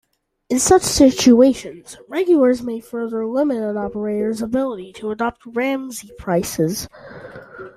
In such situations regulators may further limit an operator's ability to adopt Ramsey prices.